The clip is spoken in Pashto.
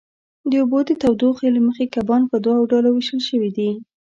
د اوبو د تودوخې له مخې کبان په دوو ډلو وېشل شوي دي.